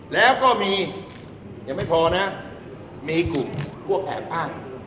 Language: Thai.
แล้วก็มียังไม่พอนะมีกลุ่มพวกแอบอ้าง